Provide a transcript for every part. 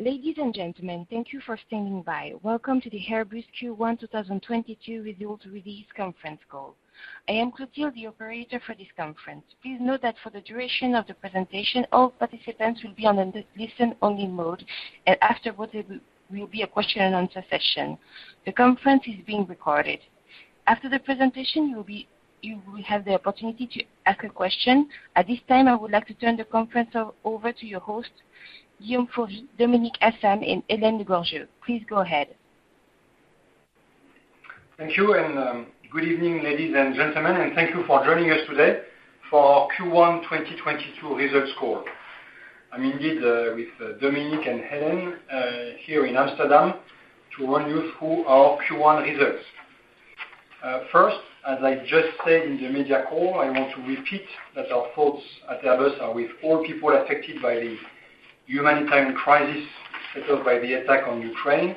Ladies and gentlemen, thank you for standing by. Welcome to the Airbus Q1 2022 results release conference call. I am Clotilde, the operator for this conference. Please note that for the duration of the presentation, all participants will be on a listen-only mode, and afterwards, there will be a question-and-answer session. The conference is being recorded. After the presentation, you will have the opportunity to ask a question. At this time, I would like to turn the conference over to your host, Guillaume Faury, Dominik Asam, and Hélène Le Gorgeu. Please go ahead. Thank you and good evening, ladies and gentlemen, and thank you for joining us today for our Q1 2022 results call. I'm indeed with Dominik and Hélène here in Amsterdam to run you through our Q1 results. First, as I just said in the media call, I want to repeat that our thoughts at Airbus are with all people affected by the humanitarian crisis triggered by the attack on Ukraine,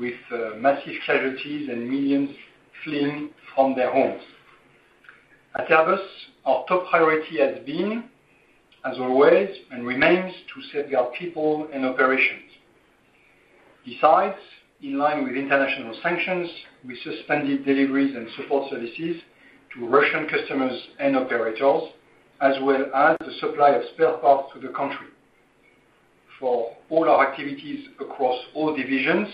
with massive casualties and millions fleeing from their homes. At Airbus, our top priority has been, as always, and remains, to save our people and operations. Besides, in line with international sanctions, we suspended deliveries and support services to Russian customers and operators, as well as the supply of spare parts to the country. For all our activities across all divisions,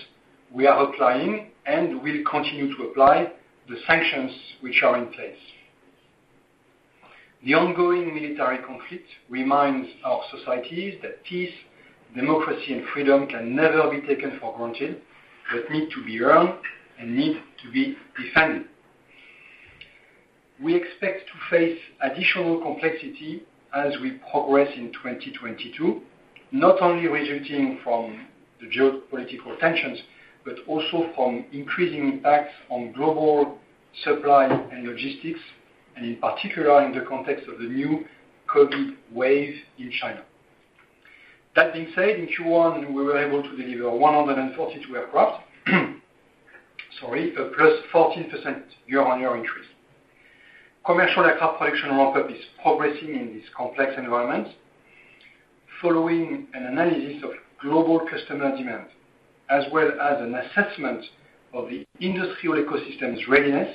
we are applying and will continue to apply the sanctions which are in place. The ongoing military conflict reminds our societies that peace, democracy, and freedom can never be taken for granted, but need to be earned and need to be defended. We expect to face additional complexity as we progress in 2022, not only resulting from the geopolitical tensions, but also from increasing impacts on global supply and logistics, and in particular, in the context of the new COVID wave in China. That being said, in Q1, we were able to deliver 142 aircraft. Sorry. A +14% year-on-year increase. Commercial aircraft production ramp-up is progressing in this complex environment. Following an analysis of global customer demand, as well as an assessment of the industrial ecosystem's readiness,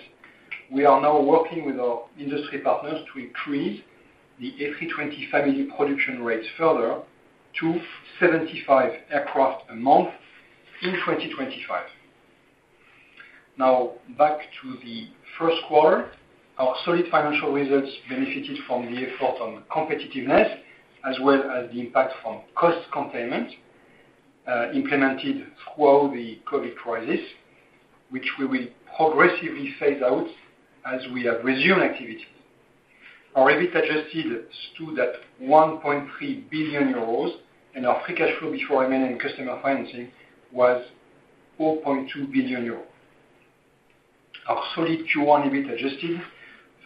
we are now working with our industry partners to increase the A320 family production rates further to 75 aircraft a month in 2025. Now back to the first quarter. Our solid financial results benefited from the effort on competitiveness as well as the impact from cost containment implemented throughout the COVID-19 crisis, which we will progressively phase out as we have resumed activity. Our EBIT adjusted stood at 1.3 billion euros, and our free cash flow before M&A and customer financing was 4.2 billion euros. Our solid Q1 EBIT adjusted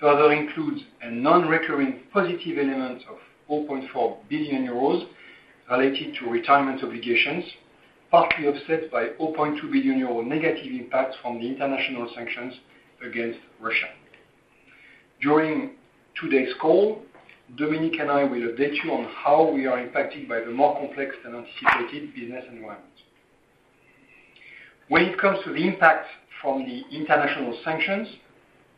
further includes a non-recurring positive element of 4.4 billion euros related to retirement obligations, partly offset by 4.2 billion euros negative impact from the international sanctions against Russia. During today's call, Dominik and I will update you on how we are impacted by the more complex than anticipated business environment. When it comes to the impact from the international sanctions,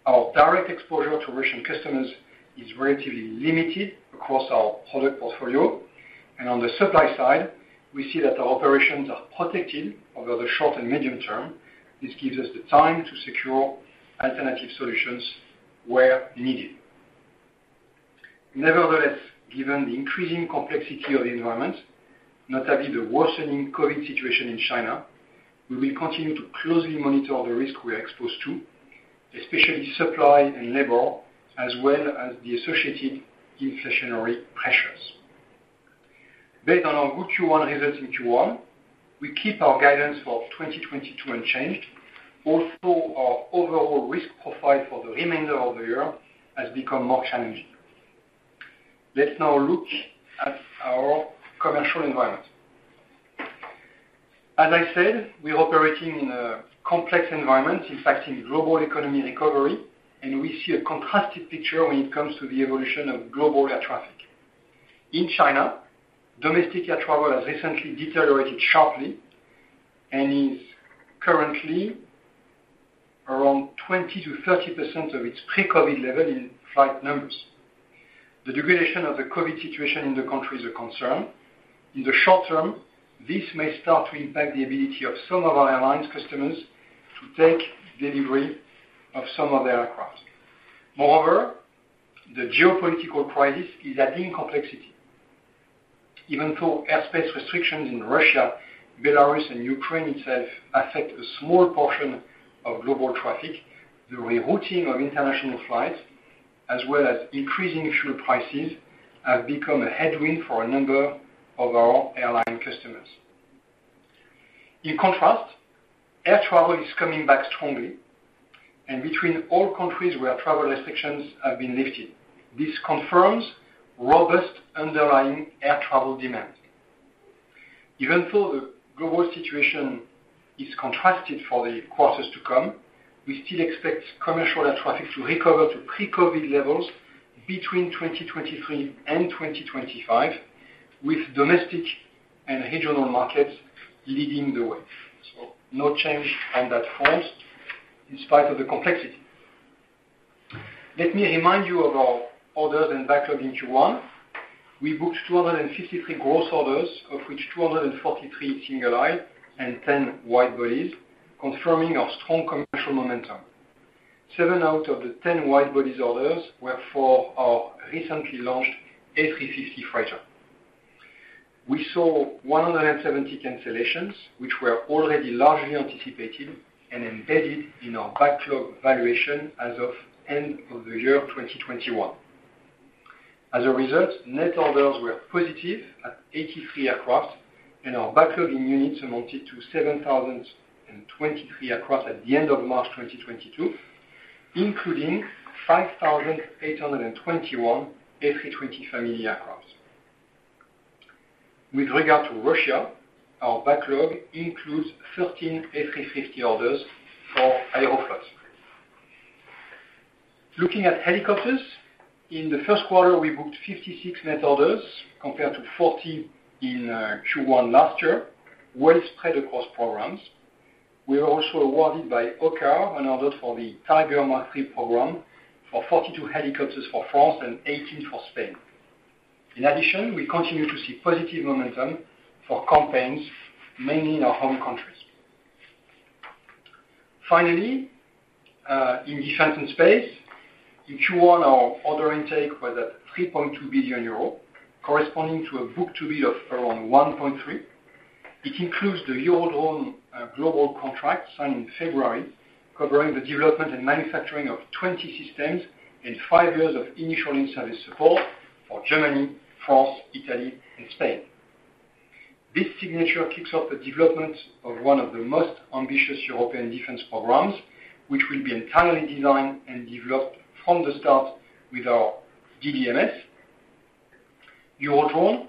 our direct exposure to Russian customers is relatively limited across our product portfolio. On the supply side, we see that our operations are protected over the short and medium term. This gives us the time to secure alternative solutions where needed. Nevertheless, given the increasing complexity of the environment, notably the worsening COVID situation in China, we will continue to closely monitor the risk we are exposed to, especially supply and labor, as well as the associated inflationary pressures. Based on our good Q1 results in Q1, we keep our guidance for 2022 unchanged, although our overall risk profile for the remainder of the year has become more challenging. Let's now look at our commercial environment. As I said, we are operating in a complex environment, impacting global economic recovery, and we see a contrasted picture when it comes to the evolution of global air traffic. In China, domestic air travel has recently deteriorated sharply and is currently around 20%-30% of its pre-COVID level in flight numbers. The degradation of the COVID situation in the country is a concern. In the short term, this may start to impact the ability of some of our airline customers to take delivery of some of the aircraft. Moreover, the geopolitical crisis is adding complexity. Even though airspace restrictions in Russia, Belarus and Ukraine itself affect a small portion of global traffic, the rerouting of international flights as well as increasing fuel prices have become a headwind for a number of our airline customers. In contrast, air travel is coming back strongly and between all countries where travel restrictions have been lifted. This confirms robust underlying air travel demand. Even though the global situation is contrasted for the quarters to come. We still expect commercial air traffic to recover to pre-COVID levels between 2023 and 2025, with domestic and regional markets leading the way. No change on that front in spite of the complexity. Let me remind you of our orders and backlog in Q1. We booked 253 gross orders, of which 243 single aisle and 10 wide-bodies, confirming our strong commercial momentum. Seven out of the 10 wide-bodies orders were for our recently launched A350 freighter. We saw 170 cancellations, which were already largely anticipated and embedded in our backlog valuation as of end of the year 2021. As a result, net orders were positive at 83 aircraft, and our backlog in units amounted to 7,023 aircraft at the end of March 2022, including 5,821 A320 family aircraft. With regard to Russia, our backlog includes 13 A350 orders for Aeroflot. Looking at helicopters, in the first quarter, we booked 56 net orders compared to 40 in Q1 last year, well spread across programs. We were also awarded by OCCAR an order for the Tiger Mark III program for 42 helicopters for France and 18 for Spain. In addition, we continue to see positive momentum for campaigns, mainly in our home countries. Finally, in Defense and Space, in Q1, our order intake was at 3.2 billion euros, corresponding to a book-to-bill of around 1.3. It includes the Eurodrone global contract signed in February, covering the development and manufacturing of 20 systems and five years of initial in-service support for Germany, France, Italy, and Spain. This signature kicks off the development of one of the most ambitious European defence programs, which will be entirely designed and developed from the start with our DDMS. Eurodrone,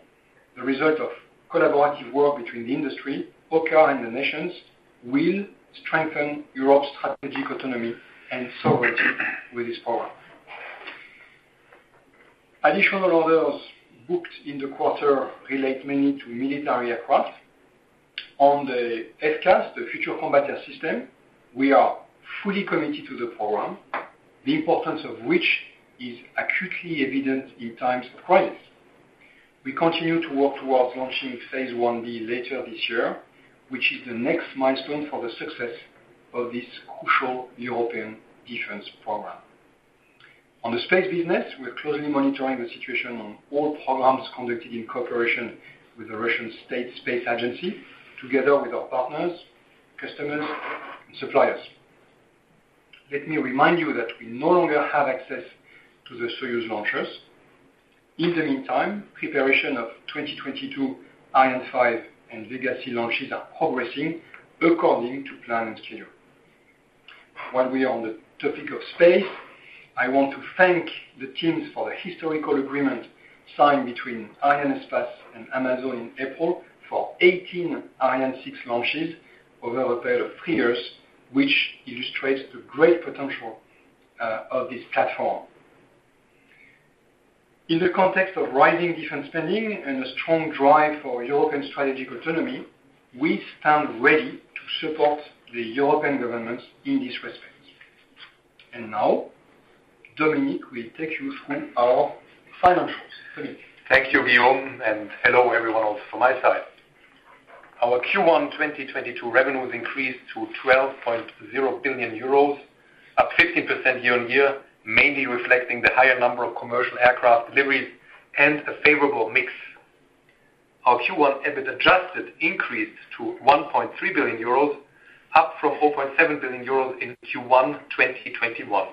the result of collaborative work between the industry, OCCAR, and the nations, will strengthen Europe's strategic autonomy and sovereignty with this program. Additional orders booked in the quarter relate mainly to military aircraft. On the FCAS, the Future Combat Air System, we are fully committed to the program, the importance of which is acutely evident in times of crisis. We continue to work towards launching phase IB later this year, which is the next milestone for the success of this crucial European defence program. On the Space business, we're closely monitoring the situation on all programs conducted in cooperation with the Russian State Space Agency, together with our partners, customers, and suppliers. Let me remind you that we no longer have access to the Soyuz launchers. In the meantime, preparation of 2022 Ariane 5 and Vega C launches are progressing according to plan and schedule. While we are on the topic of space, I want to thank the teams for the historical agreement signed between Arianespace and Amazon in April for 18 Ariane 6 launches over a period of three years, which illustrates the great potential of this platform. In the context of rising defence spending and a strong drive for European strategic autonomy, we stand ready to support the European governments in this respect. Now, Dominik will take you through our financials. Dominik. Thank you, Guillaume, and hello, everyone, also from my side. Our Q1 2022 revenues increased to 12.0 billion euros, up 15% year-on-year, mainly reflecting the higher number of commercial aircraft deliveries and a favorable mix. Our Q1 EBIT adjusted increased to 1.3 billion euros, up from 4.7 billion euros in Q1 2021.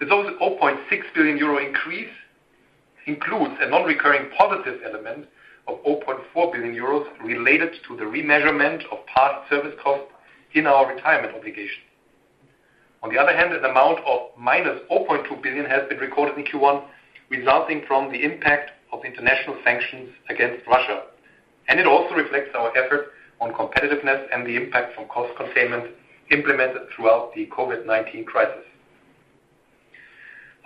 The total 0.6 billion euro increase includes a non-recurring positive element of 0.4 billion euros related to the remeasurement of past service costs in our retirement obligation. On the other hand, an amount of -0.2 billion has been recorded in Q1, resulting from the impact of international sanctions against Russia. It also reflects our effort on competitiveness and the impact from cost containment implemented throughout the COVID-19 crisis.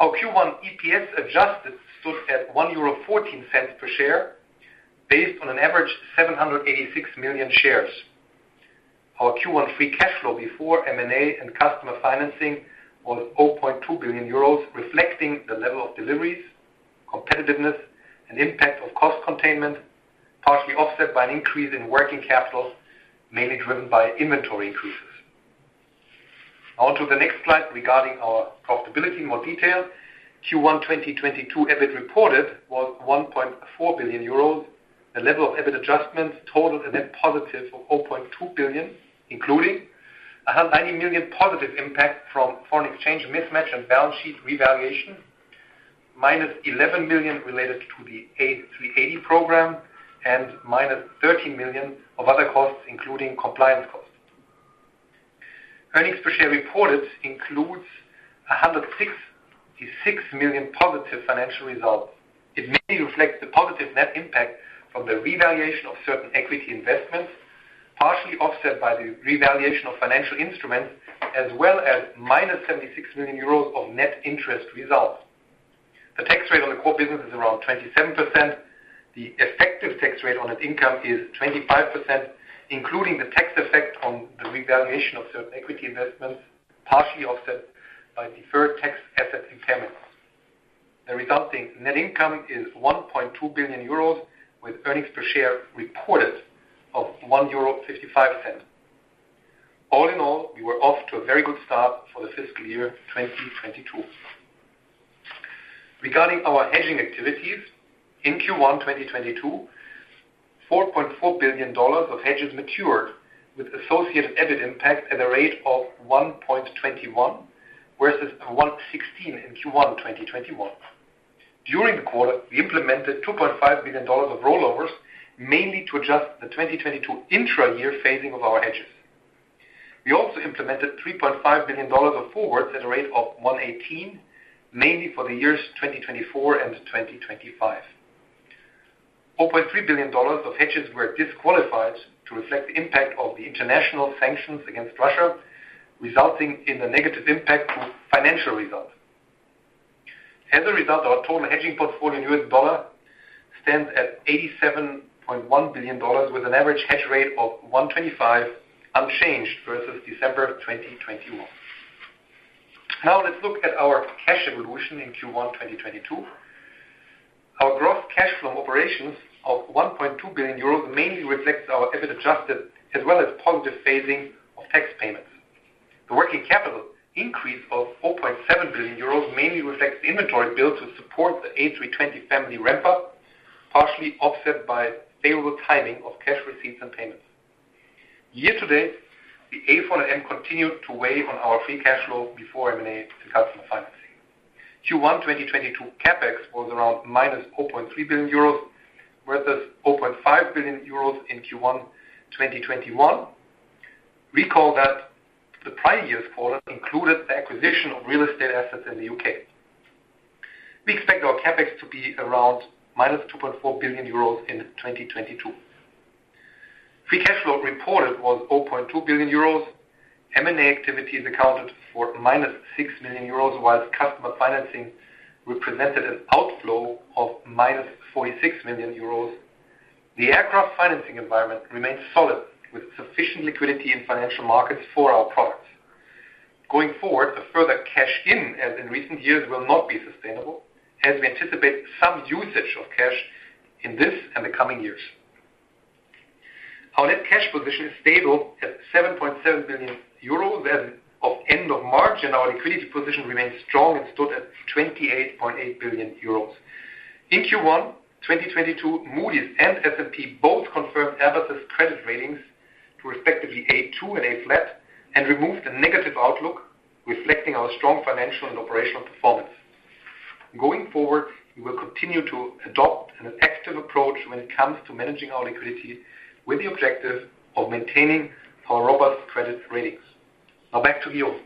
Our Q1 EPS adjusted stood at 1.14 euro per share based on an average 786 million shares. Our Q1 free cash flow before M&A and customer financing was 0.2 billion euros, reflecting the level of deliveries, competitiveness, and impact of cost containment, partially offset by an increase in working capital, mainly driven by inventory increases. Onto the next slide regarding our profitability in more detail. Q1 2022 EBIT reported was 1.4 billion euros. The level of EBIT adjustments totaled a net positive of 0.2 billion, including a 190 million positive impact from foreign exchange mismatch and balance sheet revaluation, -11 million related to the A380 program, and -13 million of other costs, including compliance costs. Earnings per share reported includes a 166 million positive financial results. It mainly reflects the positive net impact from the revaluation of certain equity investments, partially offset by the revaluation of financial instruments, as well as -76 million euros of net interest results. The tax rate on the core business is around 27%. The effective tax rate on net income is 25%, including the tax effect on the revaluation of certain equity investments, partially offset by deferred tax asset impairment. The resulting net income is 1.2 billion euros, with earnings per share reported of 1.55 euro. All in all, we were off to a very good start for the fiscal year 2022. Regarding our hedging activities, in Q1 2022, $4.4 billion of hedges matured with associated EBIT impact at a rate of 1.21, versus 1.16 in Q1 2021. During the quarter, we implemented $2.5 billion of rollovers, mainly to adjust the 2022 intra-year phasing of our hedges. We also implemented $3.5 billion of forwards at a rate of 1.18, mainly for the years 2024 and 2025. $4.3 billion of hedges were disqualified to reflect the impact of the international sanctions against Russia, resulting in a negative impact on financial results. As a result, our total hedging portfolio in U.S. dollars stands at $87.1 billion, with an average hedge rate of 1.25, unchanged versus December 2021. Now let's look at our cash evolution in Q1 2022. Our gross cash from operations of 1.2 billion euros mainly reflects our adjusted EBIT, as well as positive phasing of tax payments. The working capital increase of 4.7 billion euros mainly reflects the inventory build to support the A320 family ramp up, partially offset by favorable timing of cash receipts and payments. Year-to-date, the A400M continued to weigh on our free cash flow before M&A and customer financing. Q1 2022 CapEx was around -4.3 billion euros, versus 4.5 billion euros in Q1 2021. Recall that the prior year's quarter included the acquisition of real estate assets in the U.K. We expect our CapEx to be around -2.4 billion euros in 2022. Free cash flow reported was 4.2 billion euros. M&A activities accounted for -6 million euros, while customer financing represented an outflow of -46 million euros. The aircraft financing environment remains solid, with sufficient liquidity in financial markets for our products. Going forward, a further cash in as in recent years will not be sustainable, as we anticipate some usage of cash in this and the coming years. Our net cash position is stable at 7.7 billion euros as of end of March, and our liquidity position remains strong and stood at 28.8 billion euros. In Q1 2022, Moody's and S&P both confirmed Airbus' credit ratings to respectively A2 and A-, and removed the negative outlook, reflecting our strong financial and operational performance. Going forward, we will continue to adopt an active approach when it comes to managing our liquidity with the objective of maintaining our robust credit ratings. Now back to Guillaume.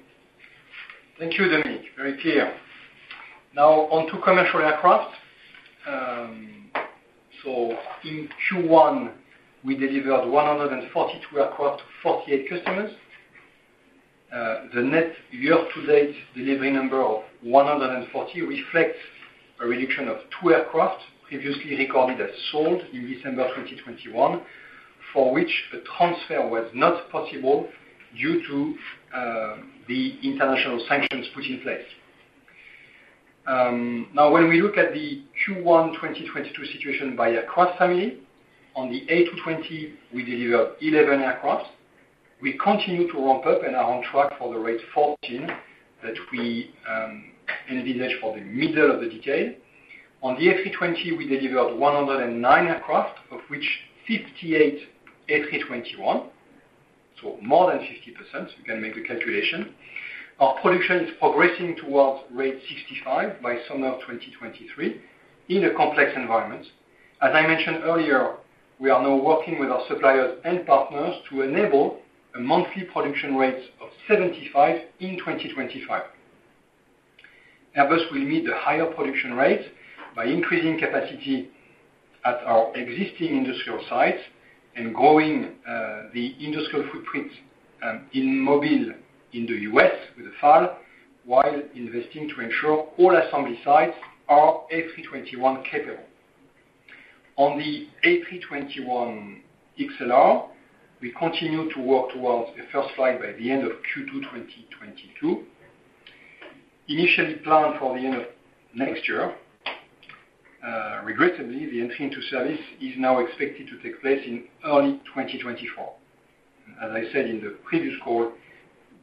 Thank you, Dominik. Very clear. Now on to Commercial Aircraft. In Q1, we delivered 142 aircraft to 48 customers. The net year to date delivery number of 140 reflects a reduction of two aircraft previously recorded as sold in December 2021, for which the transfer was not possible due to the international sanctions put in place. Now when we look at the Q1 2022 situation by aircraft family, on the A220, we delivered 11 aircraft. We continue to ramp up and are on track for the rate 14 that we envisaged for the middle of the decade. On the A320, we delivered 109 aircraft, of which 58 A321, so more than 50%, you can make the calculation. Our production is progressing towards rate 65 by summer of 2023 in a complex environment. As I mentioned earlier, we are now working with our suppliers and partners to enable a monthly production rate of 75 in 2025. Airbus will meet the higher production rate by increasing capacity at our existing industrial sites and growing the industrial footprint in Mobile in the U.S. with FAL, while investing to ensure all assembly sites are A321 capable. On the A321XLR, we continue to work towards a first flight by the end of Q2 2022. Initially planned for the end of next year, regrettably, the entry into service is now expected to take place in early 2024. As I said in the previous call,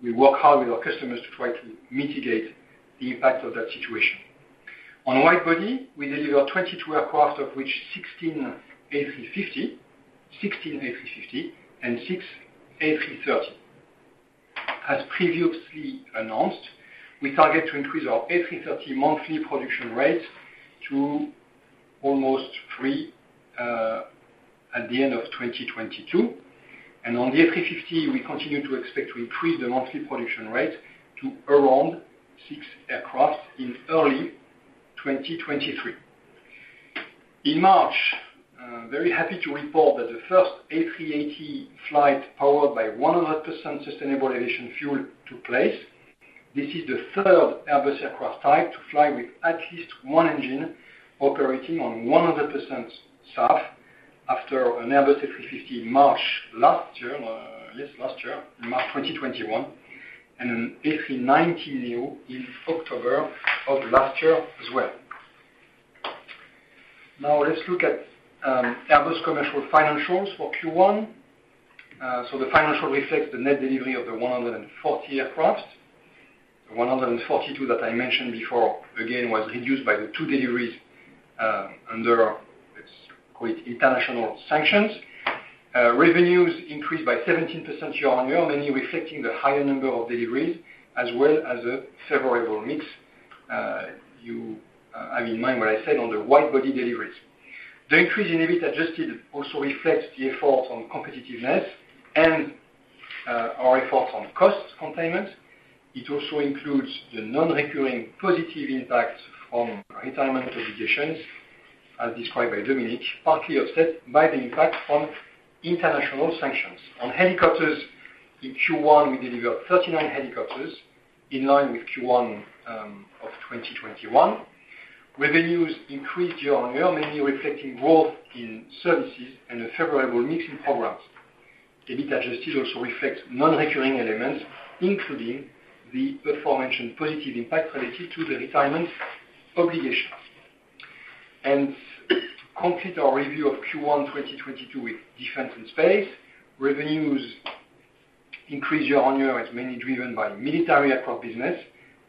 we work hard with our customers to try to mitigate the impact of that situation. On widebody, we delivered 22 aircraft, of which 16 A350 and six A330. As previously announced, we target to increase our A330 monthly production rate to almost three at the end of 2022. On the A350, we continue to expect to increase the monthly production rate to around six aircraft in early 2023. In March, very happy to report that the first A380 flight powered by 100% sustainable aviation fuel took place. This is the third Airbus aircraft type to fly with at least one engine operating on 100% SAF after an Airbus A350 in March last year. Last year, in March 2021, and an A319neo in October of last year as well. Now let's look at Airbus commercial financials for Q1. The financial reflects the net delivery of the 140 aircraft. The 142 that I mentioned before, again, was reduced by the two deliveries under, let's call it international sanctions. Revenues increased by 17% year-on-year, mainly reflecting the higher number of deliveries as well as a favorable mix. Have in mind what I said on the wide-body deliveries. The increase in EBIT adjusted also reflects the effort on competitiveness and our effort on cost containment. It also includes the non-recurring positive impact from retirement obligations as described by Dominik, partly offset by the impact from international sanctions. On helicopters, in Q1, we delivered 39 helicopters in line with Q1 of 2021. Revenues increased year-on-year, mainly reflecting growth in services and a favorable mix in programs. EBIT adjusted also reflects non-recurring elements, including the aforementioned positive impact related to the retirement obligations. To complete our review of Q1 2022 with Defence and Space. Revenues increased year-on-year as mainly driven by military aircraft business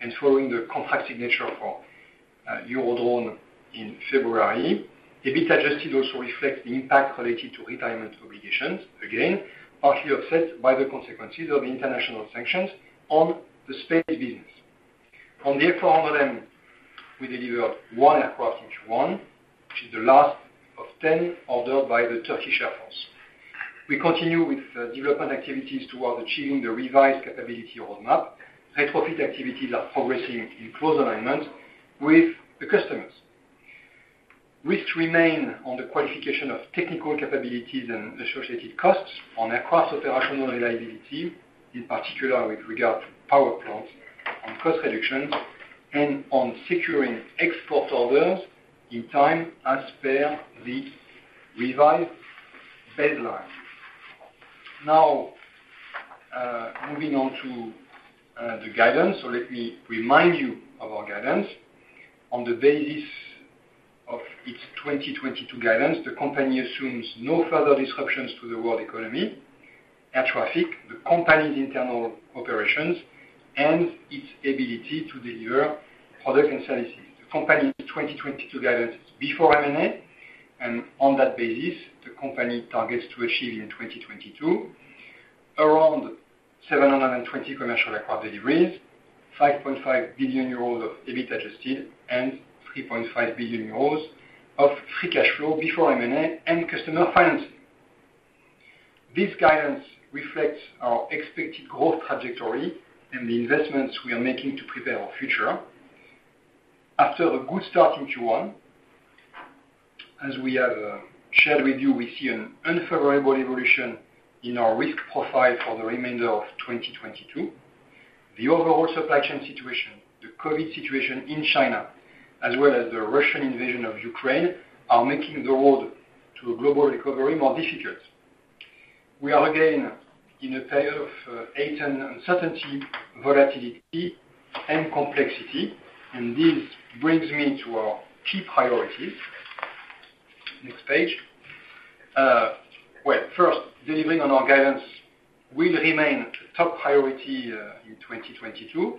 and following the contract signature for Eurodrone in February. EBIT adjusted also reflects the impact related to retirement obligations, again, partly offset by the consequences of international sanctions on the space business. On the A400M, we delivered one aircraft in Q1, which is the last of 10 ordered by the Turkish Air Force. We continue with development activities towards achieving the revised capability roadmap. Retrofit activities are progressing in close alignment with the customers. Risks remain on the qualification of technical capabilities and associated costs and across operational reliability, in particular with regard to power plants on cost reductions and on securing export orders in time as per the revised baseline. Now, moving on to the guidance. Let me remind you of our guidance. On the basis of its 2022 guidance, the company assumes no further disruptions to the world economy, air traffic, the company's internal operations, and its ability to deliver products and services. The company's 2022 guidance is before M&A, and on that basis, the company targets to achieve in 2022 around 720 commercial aircraft deliveries, 5.5 billion euros of EBIT adjusted, and 3.5 billion euros of free cash flow before M&A and customer financing. This guidance reflects our expected growth trajectory and the investments we are making to prepare our future. After a good start in Q1, as we have shared with you, we see an unfavorable evolution in our risk profile for the remainder of 2022. The overall supply chain situation, the COVID situation in China, as well as the Russian invasion of Ukraine, are making the road to a global recovery more difficult. We are again in a tale of great uncertainty, volatility, and complexity, and this brings me to our key priorities. Next page. Well, first, delivering on our guidance will remain top priority in 2022.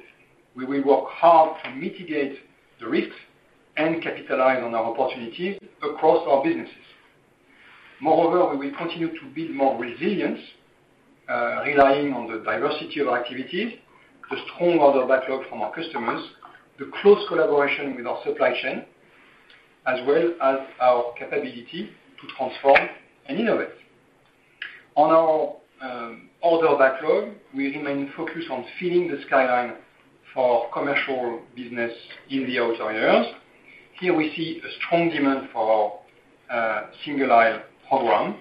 We will work hard to mitigate the risks and capitalize on our opportunities across our businesses. Moreover, we will continue to build more resilience, relying on the diversity of our activities, the strong order backlog from our customers, the close collaboration with our supply chain, as well as our capability to transform and innovate. On our order backlog, we remain focused on filling the skyline for commercial business in the out years. Here we see a strong demand for our single-aisle program.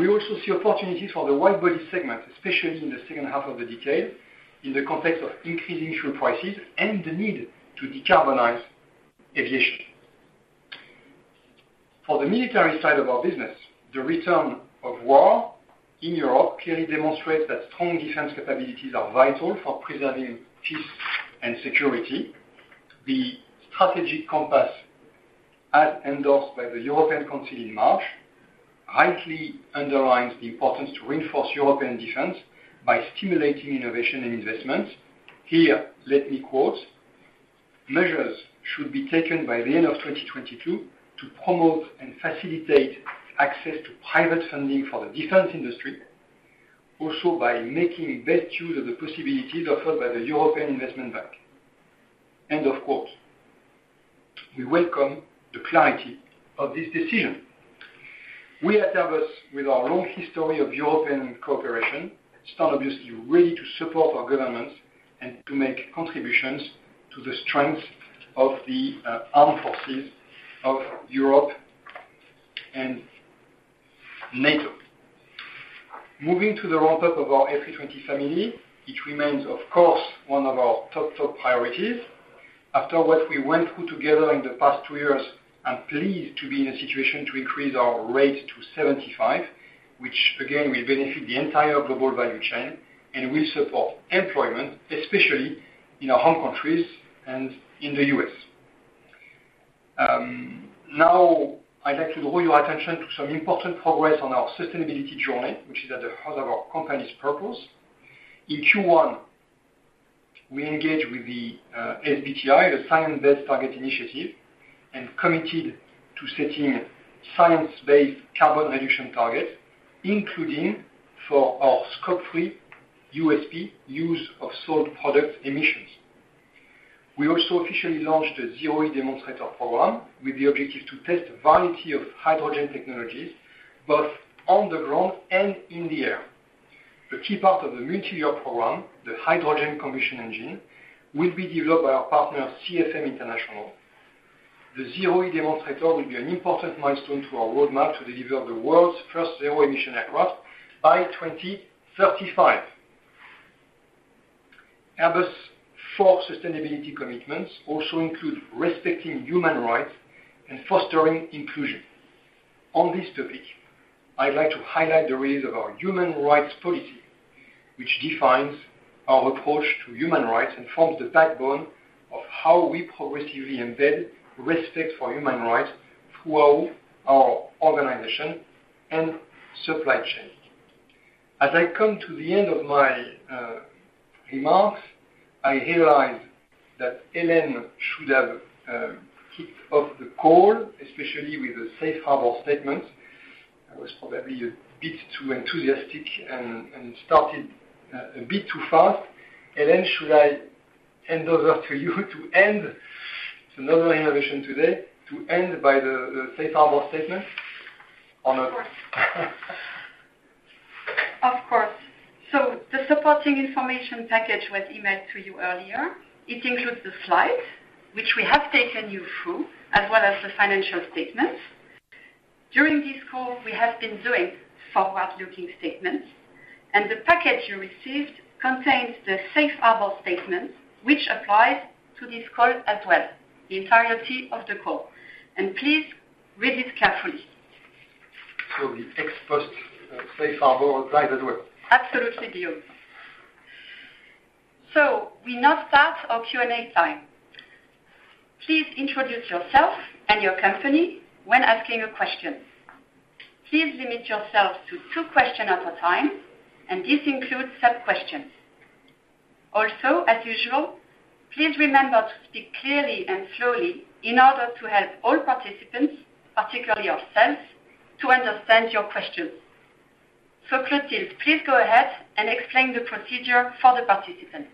We also see opportunities for the wide-body segment, especially in the second half of the decade, in the context of increasing fuel prices and the need to decarbonize aviation. For the Military side of our business, the return of war in Europe clearly demonstrates that strong defence capabilities are vital for preserving peace and security. The Strategic Compass, as endorsed by the European Council in March, rightly underlines the importance to reinforce European defence by stimulating innovation and investment. Here, let me quote, "Measures should be taken by the end of 2022 to promote and facilitate access to private funding for the defence industry, also by making best use of the possibilities offered by the European Investment Bank." End of quote. We welcome the clarity of this decision. We at Airbus, with our long history of European cooperation, stand obviously ready to support our governments and to make contributions to the strength of the armed forces of Europe and NATO. Moving to the ramp-up of our A320 family, it remains, of course, one of our top priorities. After what we went through together in the past two years, I'm pleased to be in a situation to increase our rate to 75, which again, will benefit the entire global value chain and will support employment, especially in our home countries and in the U.S. Now I'd like to draw your attention to some important progress on our sustainability journey, which is at the heart of our company's purpose. In Q1, we engaged with the SBTi, the Science Based Targets Initiative and committed to setting science-based carbon reduction targets, including for our Scope 3 Use of Sold Products emissions. We also officially launched a ZEROe demonstrator program with the objective to test a variety of hydrogen technologies, both on the ground and in the air. The key part of the multi-year program, the hydrogen combustion engine, will be developed by our partner, CFM International. The ZEROe demonstrator will be an important milestone to our roadmap to deliver the world's first zero-emission aircraft by 2035. Airbus' four sustainability commitments also include respecting human rights and fostering inclusion. On this topic, I'd like to highlight the release of our human rights policy, which defines our approach to human rights and forms the backbone of how we progressively embed respect for human rights throughout our organization and supply chain. As I come to the end of my remarks, I realize that Hélène should have kicked off the call, especially with the safe harbor statement. I was probably a bit too enthusiastic and started a bit too fast. Hélène, should I hand those over to you? It's another innovation today, to end by the safe harbor statement, or no? Of course. The supporting information package was emailed to you earlier. It includes the slides, which we have taken you through, as well as the financial statements. During this call, we have been doing forward-looking statements, and the package you received contains the safe harbor statement, which applies to this call as well, the entirety of the call. Please read it carefully. The ex-post safe harbor applies as well. Absolutely, Guillaume. We now start our Q&A time. Please introduce yourself and your company when asking a question. Please limit yourself to two questions at a time, and this includes sub-questions. Also, as usual, please remember to speak clearly and slowly in order to help all participants, particularly ourselves, to understand your questions. Clotilde, please go ahead and explain the procedure for the participants.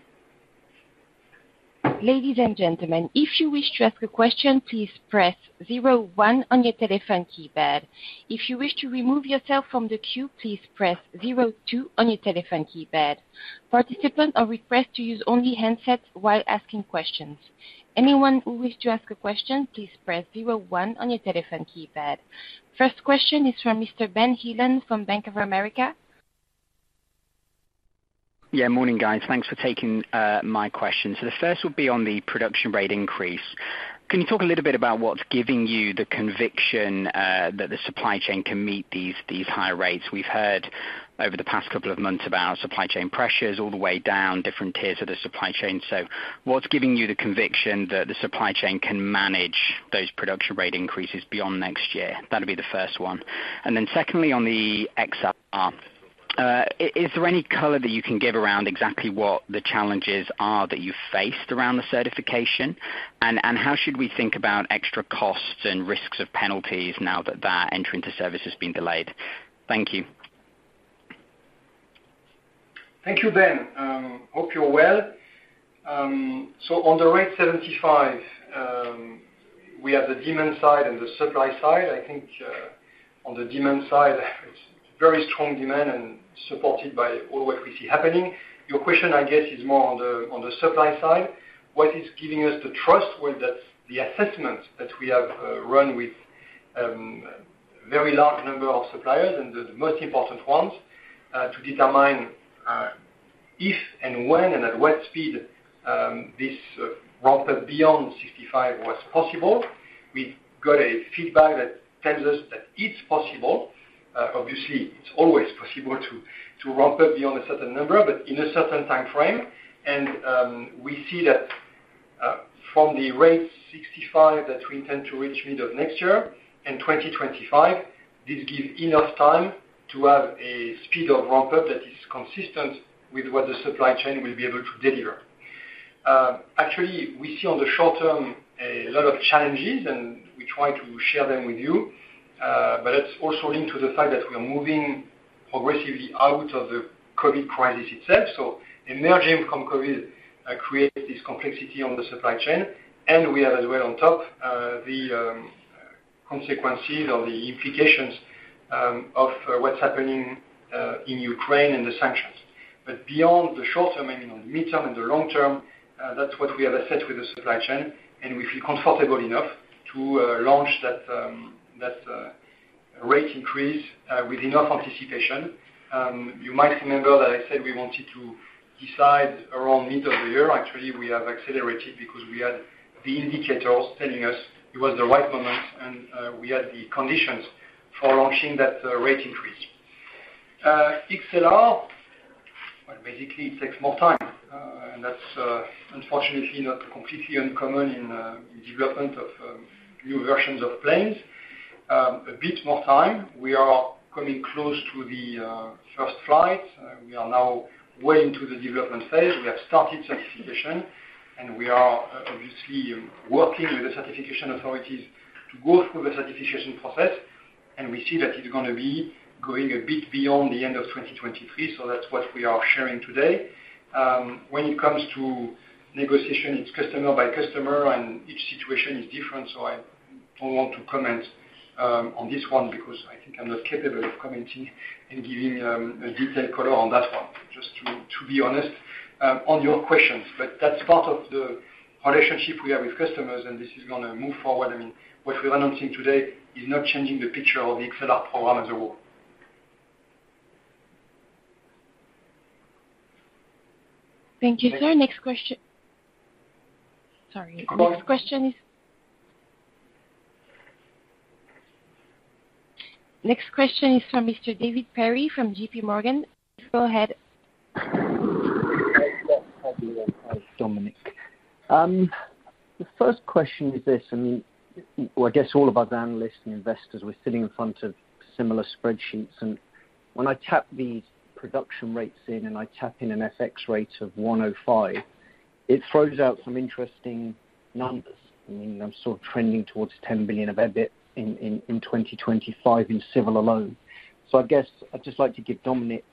Ladies and gentlemen, if you wish to ask a question, please press zero one on your telephone keypad. If you wish to remove yourself from the queue, please press zero two on your telephone keypad. Participants are requested to use only handsets while asking questions. Anyone who wish to ask a question, please press zero one on your telephone keypad. First question is from Mr. Ben Heelan from Bank of America. Yeah, morning, guys. Thanks for taking my questions. The first will be on the production rate increase. Can you talk a little bit about what's giving you the conviction that the supply chain can meet these high rates? We've heard over the past couple of months about supply chain pressures all the way down different tiers of the supply chain. What's giving you the conviction that the supply chain can manage those production rate increases beyond next year? That'll be the first one. Then secondly, on the XLR, is there any color that you can give around exactly what the challenges are that you faced around the certification? And how should we think about extra costs and risks of penalties now that that entry into service has been delayed? Thank you. Thank you, Ben. Hope you're well. On the rate 75, we have the demand side and the supply side. I think on the demand side, it's very strong demand and supported by all what we see happening. Your question, I guess, is more on the supply side. What is giving us the trust? Well, that's the assessment that we have run with very large number of suppliers and the most important ones to determine if and when and at what speed this ramp up beyond 65 was possible. We got feedback that tells us that it's possible. Obviously, it's always possible to ramp up beyond a certain number, but in a certain time frame. We see that from the rate 65 that we intend to reach mid of next year and 2025, this give enough time to have a speed of ramp-up that is consistent with what the supply chain will be able to deliver. Actually, we see on the short term a lot of challenges, and we try to share them with you. It's also linked to the fact that we are moving progressively out of the COVID crisis itself. Emerging from COVID created this complexity on the supply chain. We have as well on top the consequences or the implications of what's happening in Ukraine and the sanctions. Beyond the short term and even the medium term and the long term, that's what we have assessed with the supply chain, and we feel comfortable enough to launch that rate increase with enough anticipation. You might remember that I said we wanted to decide around middle of the year. Actually, we have accelerated because we had the indicators telling us it was the right moment, and we had the conditions for launching that rate increase. XLR, well, basically it takes more time, and that's unfortunately not completely uncommon in development of new versions of planes. A bit more time. We are coming close to the first flight. We are now way into the development phase. We have started certification, and we are obviously working with the certification authorities to go through the certification process, and we see that it's going to be going a bit beyond the end of 2023. That's what we are sharing today. When it comes to negotiation, it's customer by customer, and each situation is different, so I don't want to comment on this one because I think I'm not capable of commenting and giving a detailed color on that one, just to be honest on your questions. That's part of the relationship we have with customers, and this is going to move forward. I mean, what we're announcing today is not changing the picture of the XLR program as a whole. Thank you, Sir. Next question. Sorry. Next question is from Mr. David Perry from JPMorgan. Go ahead. Hi, Dominik. The first question is this. Well, I guess all of us analysts and investors, we're sitting in front of similar spreadsheets. When I tap these production rates in and I tap in an FX rate of 1.05, it throws out some interesting numbers. I mean, I'm sort of trending towards 10 billion of EBIT in 2025 in civil alone. I guess, I'd just like to give Dominik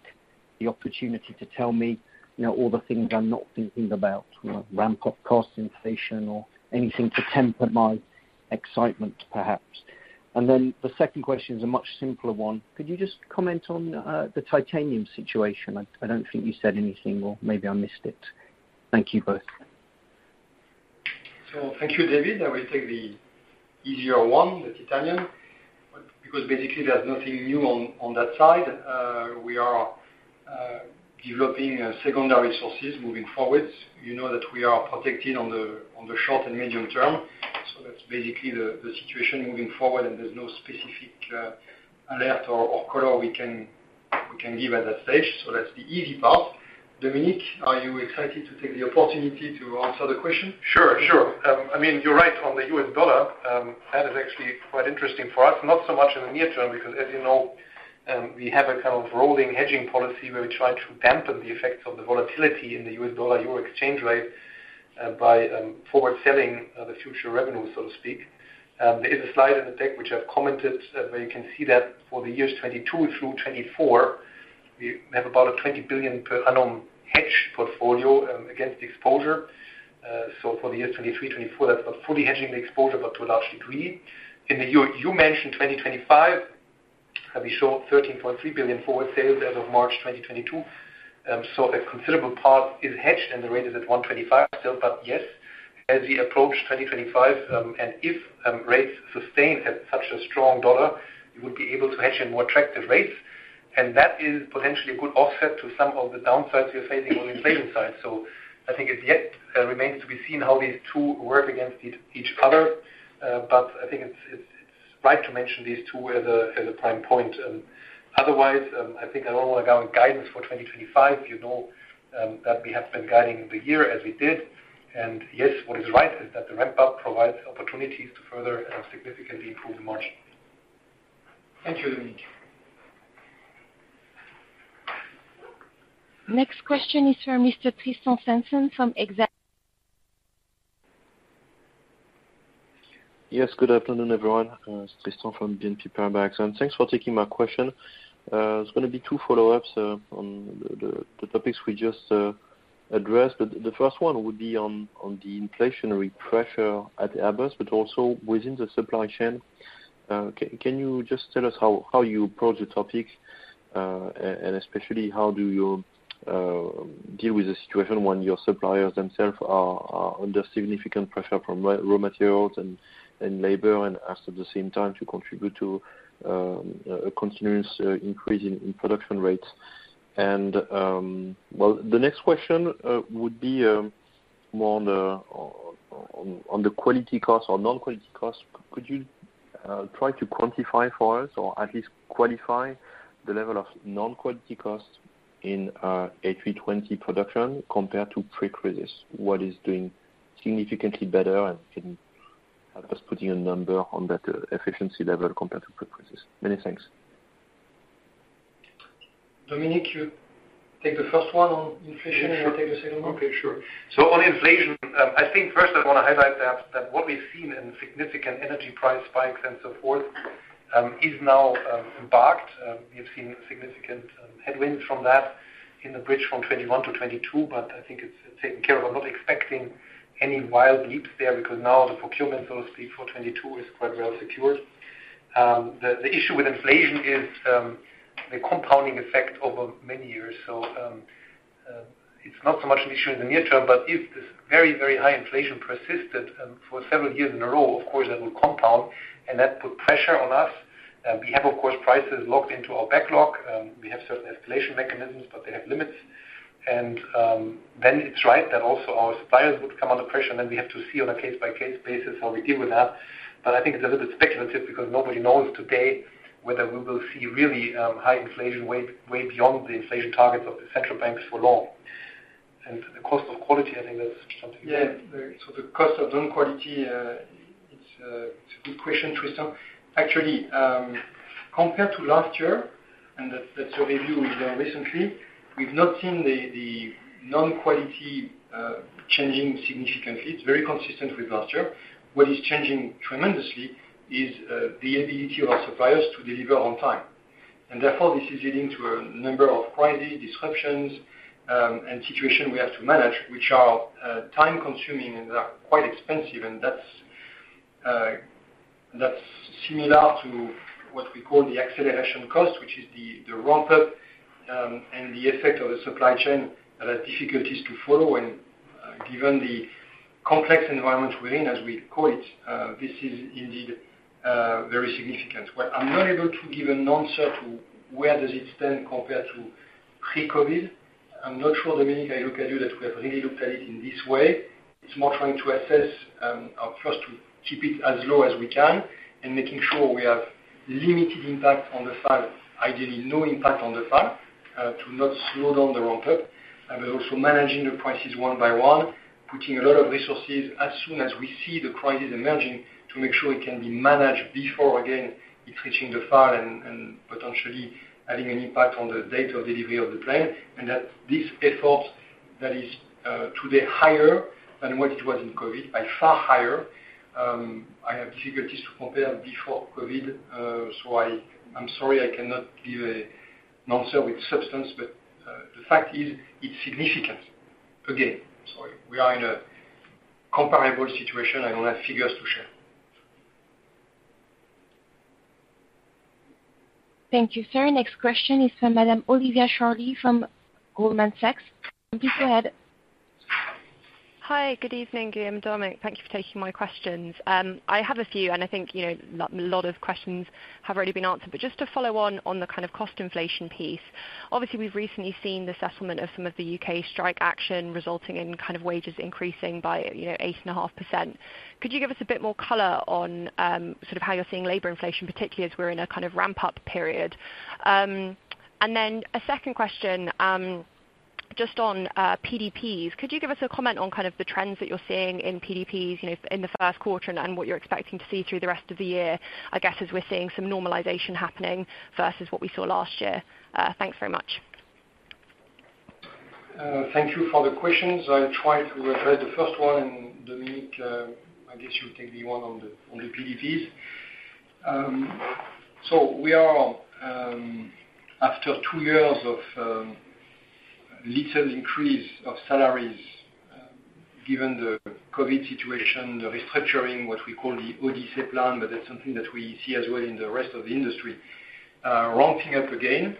the opportunity to tell me, you know, all the things I'm not thinking about, you know, ramp-up costs, inflation or anything to temper my excitement, perhaps. Then the second question is a much simpler one. Could you just comment on the titanium situation? I don't think you said anything or maybe I missed it. Thank you both. Thank you, David. I will take the easier one, the titanium, because basically there's nothing new on that side. We are developing secondary sources moving forward. You know that we are protected on the short and medium term, so that's basically the situation moving forward, and there's no specific alert or color we can give at that stage. That's the easy part. Dominik, are you excited to take the opportunity to answer the question? Sure. I mean, you're right on the U.S. dollar. That is actually quite interesting for us, not so much in the near term because as you know, we have a kind of rolling hedging policy where we try to dampen the effects of the volatility in the U.S. dollar-euro exchange rate, by forward selling the future revenue, so to speak. There is a slide in the deck which I've commented, where you can see that for the years 2022 to 2024, we have about a 20 billion per annum hedge portfolio against the exposure. So, for the years 2023-2024, that's not fully hedging the exposure, but to a large degree. You mentioned 2025, and we show 13.3 billion forward sales as of March 2022. A considerable part is hedged and the rate is at 1.25 still. Yes, as we approach 2025, and if rates sustain at such a strong dollar, we would be able to hedge at more attractive rates. That is potentially a good offset to some of the downsides we are facing on the inflation side. I think it yet remains to be seen how these two work against each other. I think it's right to mention these two as a prime point. Otherwise, I think on all our guidance for 2025, you know, that we have been guiding the year as we did. Yes, what is right is that the ramp up provides opportunities to further significantly improve margin. Thank you, Dominik. Next question is for Mr. Tristan Sanson from Exane BNP Paribas. Yes, good afternoon, everyone. It's Tristan from BNP Paribas, and thanks for taking my question. It's going to be two follow-ups on the topics we just addressed. The first one would be on the inflationary pressure at Airbus, but also within the supply chain. Can you just tell us how you approach the topic? And especially how do you deal with the situation when your suppliers themselves are under significant pressure from raw materials and labor, and ask at the same time to contribute to a continuous increase in production rates? Well, the next question would be more on the quality costs or non-quality costs. Could you try to quantify for us or at least qualify the level of non-quality costs in A320 production compared to pre-crisis? What is doing significantly better, and can Airbus put a number on that efficiency level compared to pre-crisis? Many thanks. Dominik, you take the first one on inflation and I'll take the second one. Okay. Sure. On inflation, I think first I want to highlight that what we've seen in significant energy price spikes and so forth is now abated. We've seen significant headwinds from that in the bridge from 2021 to 2022, but I think it's taken care of. I'm not expecting any wild leaps there because now the procurement, so to speak, for 2022 is quite well secured. The issue with inflation is the compounding effect over many years. It's not so much an issue in the near term, but if this very, very high inflation persisted for several years in a row, of course, that will compound and that put pressure on us. We have, of course, prices locked into our backlog. We have certain escalation mechanisms, but they have limits. It's right that also our suppliers would come under pressure, and we have to see on a case-by-case basis how we deal with that. I think it's a little speculative because nobody knows today whether we will see really high inflation way beyond the inflation targets of the central banks for long. The cost of quality, I think that's something. Yeah. The cost of non-quality, it's a good question, Tristan. Actually, compared to last year, that's a review we did recently, we've not seen the non-quality changing significantly. It's very consistent with last year. What is changing tremendously is the ability of our suppliers to deliver on time. Therefore, this is leading to a number of quality disruptions and situation we have to manage, which are time-consuming and are quite expensive. That's similar to what we call the acceleration cost, which is the ramp-up and the effect of the supply chain that has difficulties to follow and given the complex environment we're in, as we call it, this is indeed very significant. Well, I'm not able to give an answer to where does it stand compared to pre-COVID. I'm not sure, Dominik, if you look at it that we have really looked at it in this way. It's more trying to assess, or first to keep it as low as we can and making sure we have limited impact on the FAL, ideally, no impact on the FAL, to not slow down the ramp-up. Also managing the prices one by one, putting a lot of resources as soon as we see the crisis emerging to make sure it can be managed before, again, it's reaching the FAL and potentially having an impact on the date of delivery of the plane. That this effort that is today higher than what it was in COVID, by far higher. I have difficulties to compare before COVID, so I'm sorry I cannot give an answer with substance, but the fact is it's significant. Again, I'm sorry. We are in a comparable situation. I don't have figures to share. Thank you, Sir. Next question is from Madam [inaudible] from Goldman Sachs. Please go ahead. Hi, good evening, Guillaume and Dominik. Thank you for taking my questions. I have a few, and I think, you know, a lot of questions have already been answered. Just to follow on the kind of cost inflation piece, obviously, we've recently seen the settlement of some of the U.K. Strike action resulting in kind of wages increasing by you know, 8.5%. Could you give us a bit more color on sort of how you're seeing labor inflation, particularly as we're in a kind of ramp-up period? Then a second question just on PDPs. Could you give us a comment on kind of the trends that you're seeing in PDPs, you know, in the first quarter and what you're expecting to see through the rest of the year, I guess, as we're seeing some normalization happening versus what we saw last year? Thanks very much. Thank you for the questions. I'll try to address the first one, and Dominik, I guess you'll take the one on the PDPs. We are after two years of little increase of salaries, given the COVID situation, the restructuring, what we call the Odyssey plan, but that's something that we see as well in the rest of the industry, ramping up again,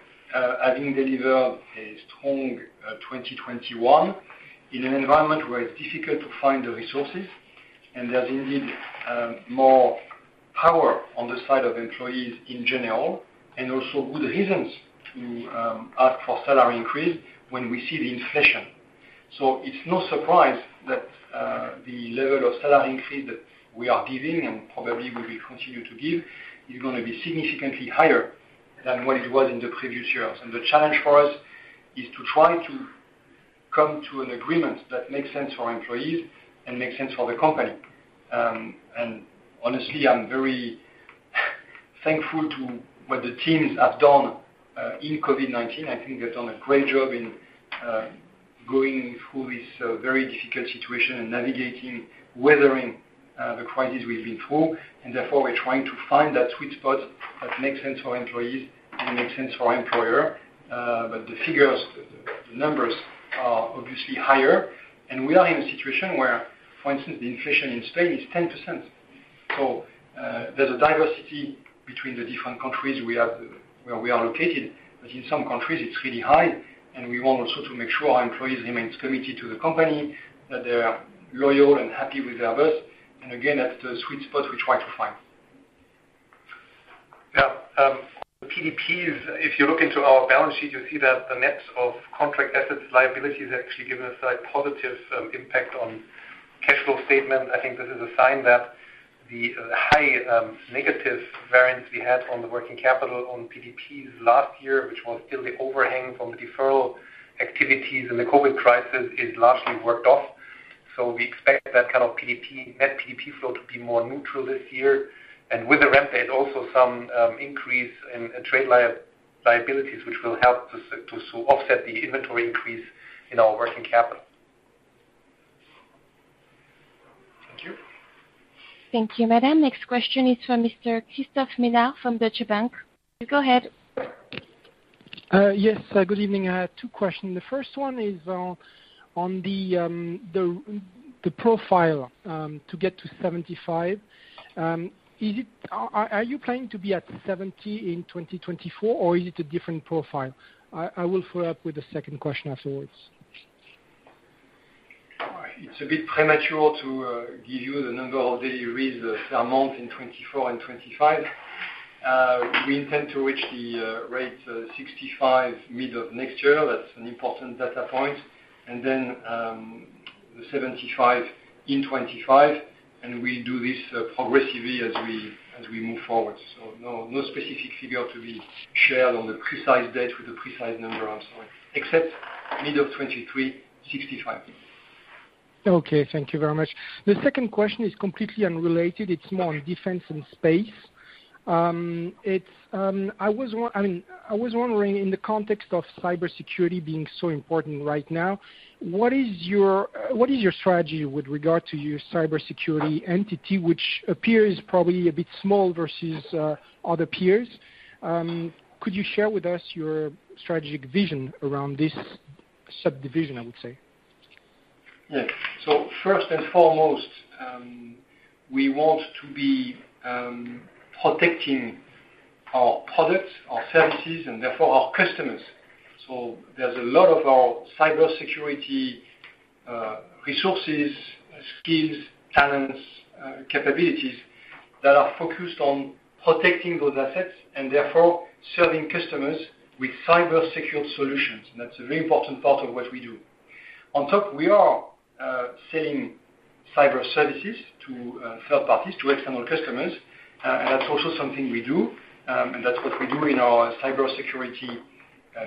having delivered a strong 2021 in an environment where it's difficult to find the resources, and there's indeed more power on the side of employees in general, and also good reasons to ask for salary increase when we see the inflation. It's no surprise that the level of salary increase that we are giving and probably will be continued to give is going to be significantly higher than what it was in the previous years. The challenge for us is to try to come to an agreement that makes sense for our employees and makes sense for the company. Honestly, I'm very thankful to what the teams have done in COVID-19. I think they've done a great job in going through this very difficult situation and navigating, weathering the crisis we've been through. Therefore, we're trying to find that sweet spot that makes sense for our employees and makes sense for our employer. The figures, the numbers are obviously higher. We are in a situation where, for instance, the inflation in Spain is 10%. There's a diversity between the different countries we have where we are located. In some countries, it's really high, and we want also to make sure our employees remain committed to the company, that they are loyal and happy with Airbus. Again, that's the sweet spot we try to find. Yeah. PDPs, if you look into our balance sheet, you'll see that the net of contract assets liability has actually given us a positive impact on cash flow statement. I think this is a sign that the high negative variance we had on the working capital on PDPs last year, which was still the overhang from the deferral activities in the COVID crisis, is largely worked off. We expect that kind of PDP net PDP flow to be more neutral this year. With the ramp there's also some increase in trade liabilities, which will help to sort of offset the inventory increase in our working capital. Thank you. Thank you, Madam. Next question is from Mr. Christophe Menard from Deutsche Bank. Go ahead. Yes, good evening. I have two questions. The first one is on the profile to get to 75. Are you planning to be at 70 in 2024 or is it a different profile? I will follow up with a second question afterwards. It's a bit premature to give you the number of deliveries amount in 2024 and 2025. We intend to reach the rate 65 mid of next year. That's an important data point. Then, the 75 in 2025, and we do this progressively as we move forward. No specific figure to be shared on the precise date with the precise number and so on, except mid of 2023, 65. Okay, thank you very much. The second question is completely unrelated. It's more on Defence and Space. It's, I mean, I was wondering in the context of cybersecurity being so important right now, what is your, what is your strategy with regard to your cybersecurity entity, which appears probably a bit small versus other peers? Could you share with us your strategic vision around this subdivision, I would say? Yes. First and foremost, we want to be protective, our products, our services, and therefore our customers. There's a lot of our cybersecurity resources, skills, talents, capabilities that are focused on protecting those assets, and therefore, serving customers with cybersecure solutions. That's a very important part of what we do. On top, we are selling cyber services to third parties, to external customers, and that's also something we do. That's what we do in our cybersecurity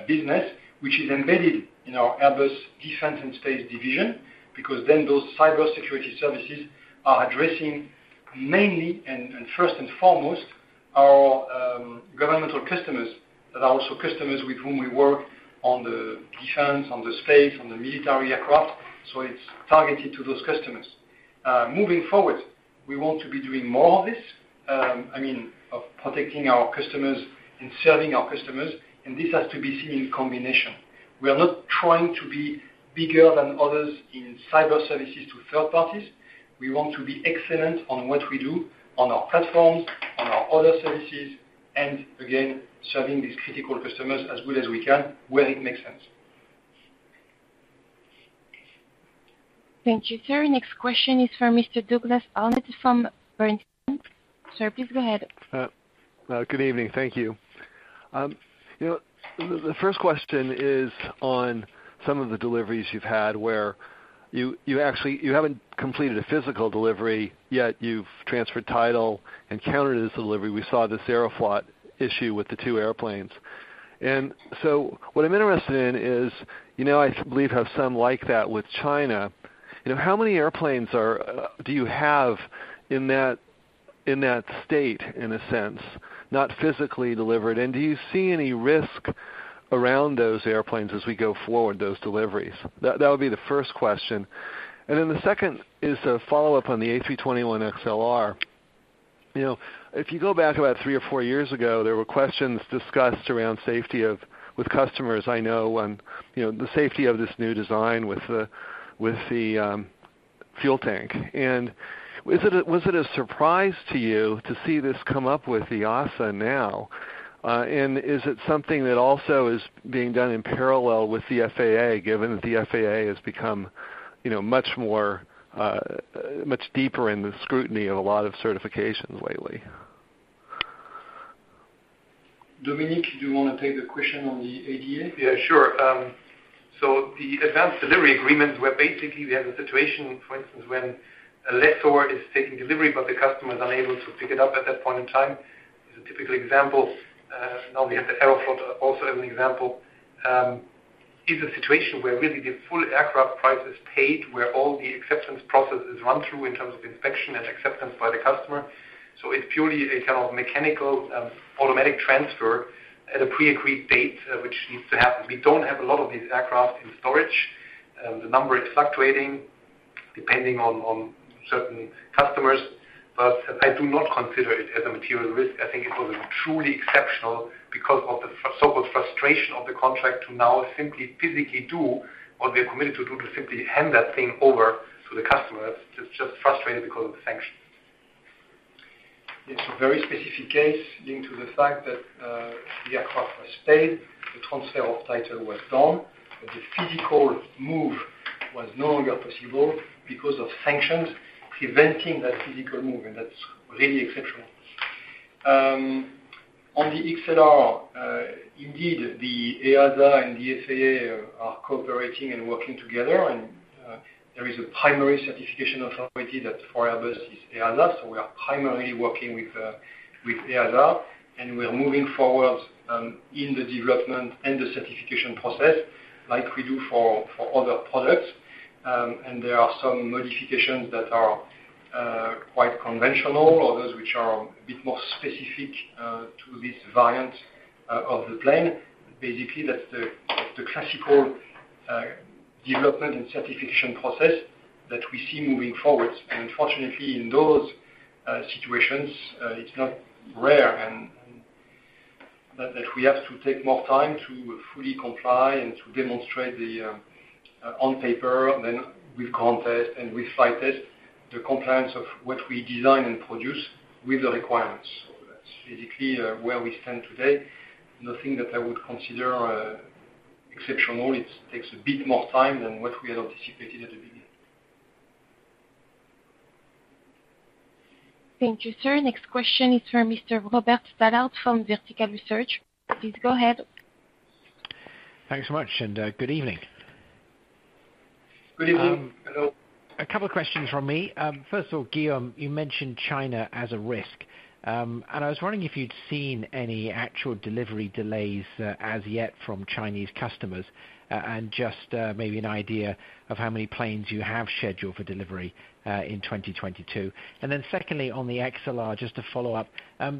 business, which is embedded in our Airbus Defence and Space division, because then those Cybersecurity services are addressing mainly and first and foremost our governmental customers that are also customers with whom we work on the Defence, on the Space, on the Military aircraft. It's targeted to those customers. Moving forward, we want to be doing more of this, I mean, of protecting our customers and serving our customers, and this has to be seen in combination. We are not trying to be bigger than others in cyber services to third parties. We want to be excellent on what we do on our platforms, on our other services, and again, serving these critical customers as good as we can where it makes sense. Thank you, Sir. Next question is for Mr. Douglas Harned from Bernstein. Sir, please go ahead. Good evening. Thank you. You know, the first question is on some of the deliveries you've had where you actually haven't completed a physical delivery, yet you've transferred title and counted as a delivery. We saw this Aeroflot issue with the two airplanes. What I'm interested in is, you know, I believe you have some like that with China. You know, how many airplanes do you have in that state, in a sense, not physically delivered? And do you see any risk around those airplanes as we go forward, those deliveries? That would be the first question. The second is a follow-up on the A321XLR. You know, if you go back about three or four years ago, there were questions discussed around safety with customers, I know, on, you know, the safety of this new design with the fuel tank. Was it a surprise to you to see this come up with the EASA now? Is it something that also is being done in parallel with the FAA, given that the FAA has become, you know, much more, much deeper in the scrutiny of a lot of certifications lately? Dominik, do you want to take the question on the ADA? Yeah, sure. The advanced delivery agreements where basically we have a situation, for instance, when a lessor is taking delivery, but the customer is unable to pick it up at that point in time. It's a typical example. Obviously, Aeroflot also have an example. It's a situation where really the full aircraft price is paid, where all the acceptance process is run through in terms of inspection and acceptance by the customer. It's purely a kind of mechanical, automatic transfer at a pre-agreed date, which needs to happen. We don't have a lot of these aircraft in storage. The number is fluctuating depending on certain customers. I do not consider it as a material risk. I think it was a truly exceptional because of the so-called frustration of the contract to now simply physically do what we are committed to do, to simply hand that thing over to the customer. It's just frustrating because of the sanctions. It's a very specific case linked to the fact that, the aircraft was paid, the transfer of title was done, but the physical move was no longer possible because of sanctions preventing that physical movement. That's really exceptional. On the XLR, indeed, the EASA and the FAA are cooperating and working together. There is a primary certification authority that for Airbus is EASA. We are primarily working with EASA, and we are moving forward in the development and the certification process like we do for other products. There are some modifications that are quite conventional or those which are a bit more specific to this variant of the plane. Basically, that's the classical development and certification process that we see moving forward. Unfortunately, in those situations, it's not rare and. That we have to take more time to fully comply and to demonstrate the on paper, then we've ground test and we flight test the compliance of what we design and produce with the requirements. That's basically where we stand today. Nothing that I would consider exceptional. It takes a bit more time than what we had anticipated at the beginning. Thank you, Sir. Next question is from Mr. Robert Stallard from Vertical Research. Please go ahead. Thanks so much and good evening. Good evening. Hello. A couple of questions from me. First of all, Guillaume, you mentioned China as a risk. I was wondering if you'd seen any actual delivery delays, as yet from Chinese customers, and just, maybe an idea of how many planes you have scheduled for delivery, in 2022. Then secondly, on the XLR, just to follow up,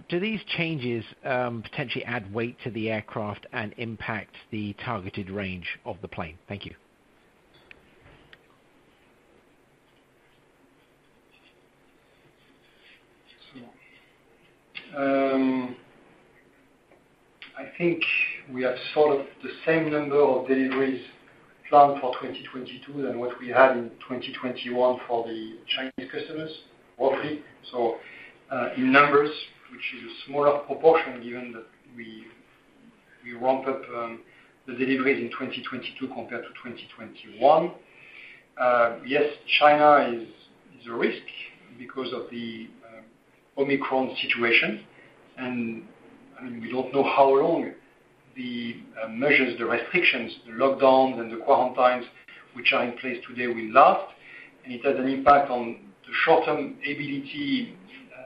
do these changes potentially add weight to the aircraft and impact the targeted range of the plane? Thank you. I think we have sort of the same number of deliveries planned for 2022 than what we had in 2021 for the Chinese customers, broadly. In numbers, which is a smaller proportion given that we ramped up the deliveries in 2022 compared to 2021. Yes, China is a risk because of the Omicron situation. I mean, we don't know how long the measures, the restrictions, the lockdowns, and the quarantines which are in place today will last. It has an impact on the short-term ability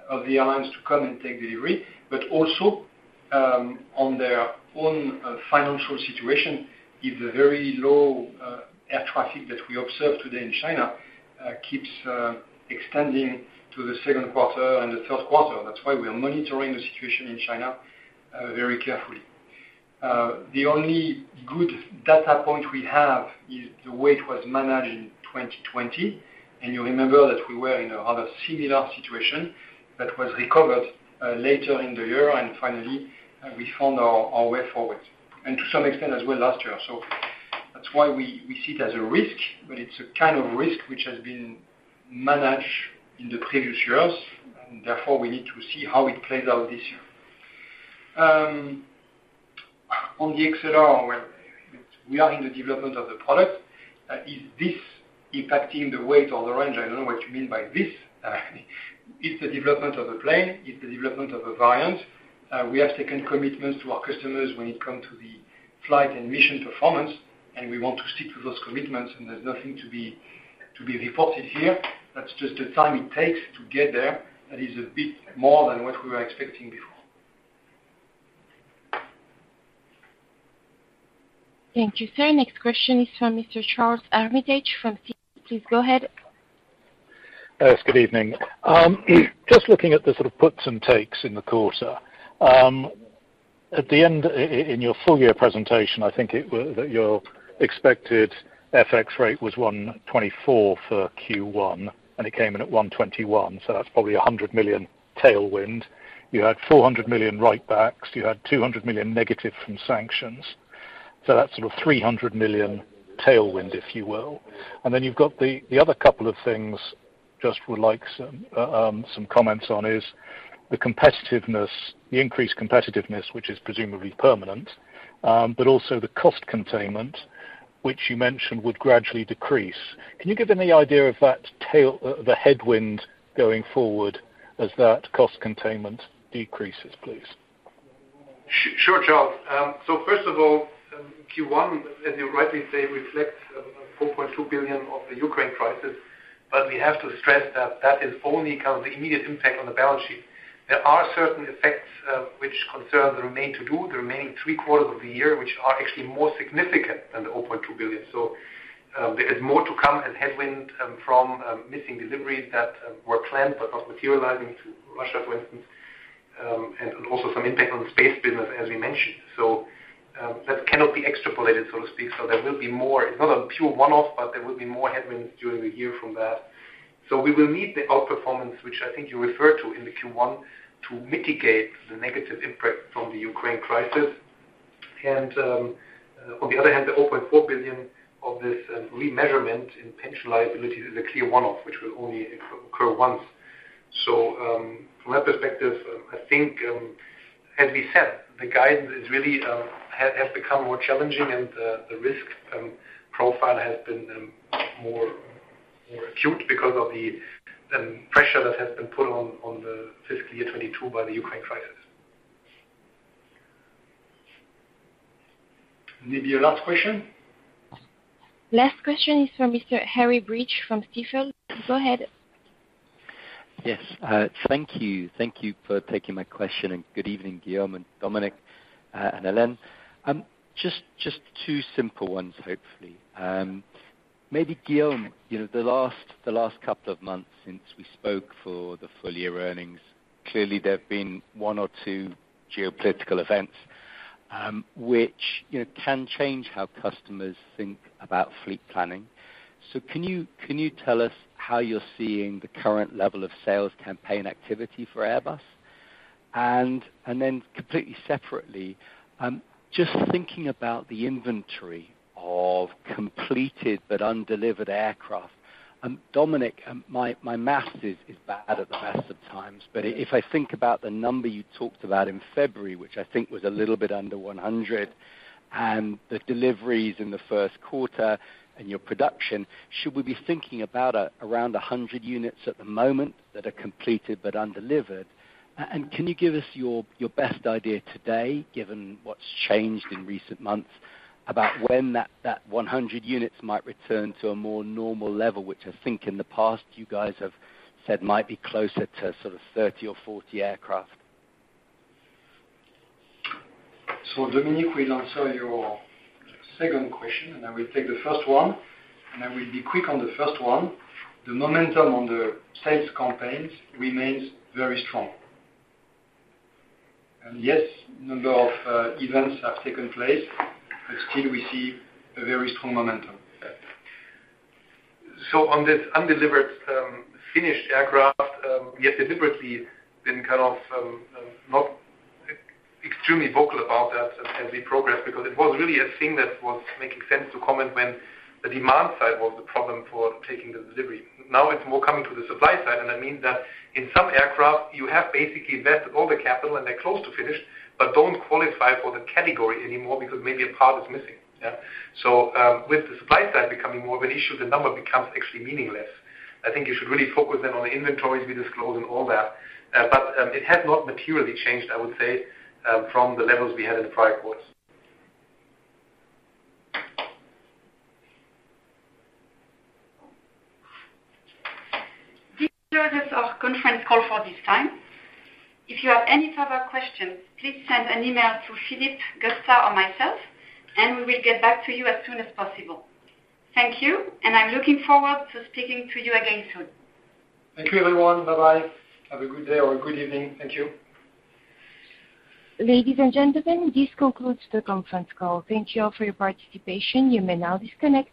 of the airlines to come and take delivery, but also on their own financial situation, if the very low air traffic that we observe today in China keeps extending to the second quarter and the third quarter. That's why we are monitoring the situation in China very carefully. The only good data point we have is the way it was managed in 2020. You remember that we were in a rather similar situation that was recovered later in the year, and finally we found our way forward, and to some extent as well last year. That's why we see it as a risk, but it's a kind of risk which has been managed in the previous years, and therefore we need to see how it plays out this year. On the XLR, well, we are in the development of the product. Is this impacting the weight or the range? I don't know what you mean by this. It's the development of the plane. It's the development of a variant. We have strict commitments to our customers when it comes to the flight and mission performance, and we want to stick to those commitments, and there's nothing to be reported here. That's just the time it takes to get there. That is a bit more than what we were expecting before. Thank you, Sir. Next question is from Mr. Charles Armitage from Citi. Please go ahead. Yes, good evening. Just looking at the sort of puts and takes in the quarter. At the end in your full-year presentation, I think it was that your expected FX rate was 1.24 for Q1, and it came in at 1.21, so that's probably 100 million tailwind. You had 400 million write-backs. You had 200 million negative from sanctions. That's sort of 300 million tailwind, if you will. Then you've got the other couple of things, just would like some comments on the competitiveness, the increased competitiveness, which is presumably permanent, but also the cost containment, which you mentioned would gradually decrease. Can you give any idea of that tail, the headwind going forward as that cost containment decreases, please? Sure, Charles. First of all, Q1, as you rightly say, reflects 4.2 billion of the Ukraine crisis. We have to stress that that is only, kind of, the immediate impact on the balance sheet. There are certain effects, which concerns remain for the remaining three quarters of the year, which are actually more significant than the 4.2 billion. There is more to come and headwind from missing deliveries that were planned but not materializing to Russia, for instance, and also some impact on the space business, as we mentioned. That cannot be extrapolated, so to speak. There will be more. It's not a pure one-off, but there will be more headwinds during the year from that. We will need the outperformance, which I think you referred to in the Q1, to mitigate the negative impact from the Ukraine crisis. On the other hand, the 4.4 billion of this remeasurement in pension liability is a clear one-off, which will only occur once. From that perspective, I think, as we said, the guidance has become more challenging, and the risk profile has been more acute because of the pressure that has been put on the fiscal year 2022 by the Ukraine crisis. Maybe a last question? Last question is from Mr. Harry Breach from Stifel. Go ahead. Yes. Thank you. Thank you for taking my question and good evening, Guillaume, Dominik and Hélène. Just two simple ones, hopefully. Maybe Guillaume, you know, the last couple of months since we spoke for the full year earnings, clearly there have been one or two geopolitical events, which, you know, can change how customers think about fleet planning. Can you tell us how you're seeing the current level of sales campaign activity for Airbus? Completely separately, just thinking about the inventory of completed but undelivered aircraft, Dominik, my math is bad at the best of times, but if I think about the number you talked about in February, which I think was a little bit under 100, and the deliveries in the first quarter and your production, should we be thinking about around 100 units at the moment that are completed but undelivered? Can you give us your best idea today, given what's changed in recent months, about when that 100 units might return to a more normal level, which I think in the past you guys have said might be closer to sort of 30 or 40 aircraft? Dominik will answer your second question, and I will take the first one, and I will be quick on the first one. The momentum on the sales campaigns remains very strong. Yes, number of events have taken place, but still, we see a very strong momentum. Yeah. On this undelivered, finished aircraft, we have deliberately been kind of not extremely vocal about that as we progress because it was really a thing that was making sense to comment when the demand side was the problem for taking the delivery. Now, it's more coming to the supply side, and that means that in some aircraft you have basically invested all the capital, and they're close to finished but don't qualify for the category anymore because maybe a part is missing. Yeah. With the supply side becoming more of an issue, the number becomes actually meaningless. I think you should really focus then on the inventories we disclose and all that. It has not materially changed, I would say, from the levels we had in the prior quarters. This closes our conference call for this time. If you have any further questions, please send an email to Philippe, Gustav, or myself, and we will get back to you as soon as possible. Thank you, and I'm looking forward to speaking to you again soon. Thank you everyone. Bye-bye. Have a good day or good evening. Thank you. Ladies and gentlemen, this concludes the conference call. Thank you all for your participation. You may now disconnect.